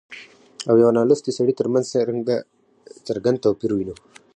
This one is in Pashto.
او يوه نالوستي سړي ترمنځ څرګند توپير وينو